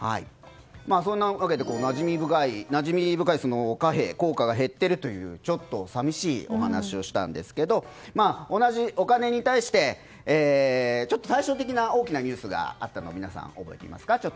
そんなわけでなじみ深い貨幣、硬貨が減っているちょっと寂しいお話をしたんですが同じお金に対して対照的な大きなニュースがあったの覚えていますか。